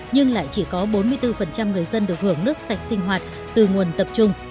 nhưng lại chỉ có bốn mươi bốn người dân được hưởng nước sạch sinh hoạt từ nguồn tập trung